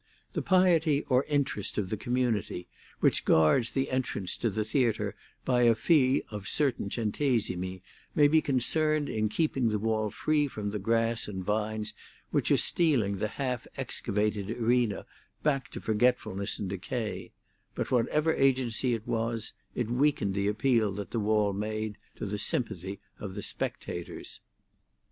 The piety or interest of the community, which guards the entrance to the theatre by a fee of certain centesimi, may be concerned in keeping the wall free from the grass and vines which are stealing the half excavated arena back to forgetfulness and decay; but whatever agency it was, it weakened the appeal that the wall made to the sympathy of the spectators.